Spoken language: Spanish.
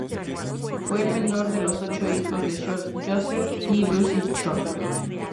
Fue el menor de los ocho hijos de Joseph y Lucy Chung.